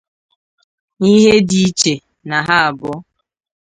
nà ihe dị iche na ha abụọ